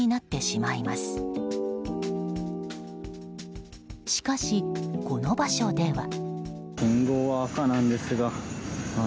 しかし、この場所では。